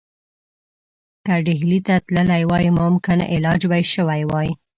که ډهلي ته تللی وای ممکن علاج به شوی وای.